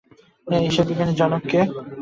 হিসাববিজ্ঞানের জনক কে?